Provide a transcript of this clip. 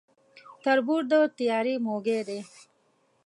تر بور د تيارې موږى دى.